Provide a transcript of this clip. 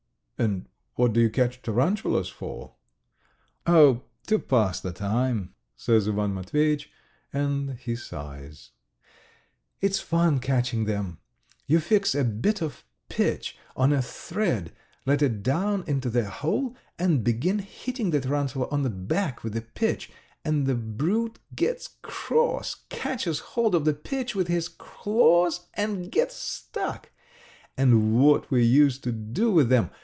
"And what do you catch tarantulas for?" "Oh! ... to pass the time ..." says Ivan Matveyitch, and he sighs. "It's fun catching them. You fix a bit of pitch on a thread, let it down into their hole and begin hitting the tarantula on the back with the pitch, and the brute gets cross, catches hold of the pitch with his claws, and gets stuck. ... And what we used to do with them!